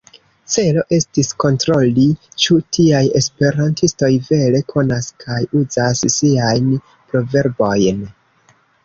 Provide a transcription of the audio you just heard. Celo estis kontroli, ĉu tiaj esperantistoj vere konas kaj uzas siajn proverbojn.